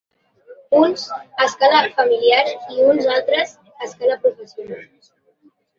Uns, a escala familiar i uns altres, a escala professional.